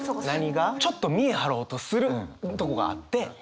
ちょっと見え張ろうとするとこがあってもったいない。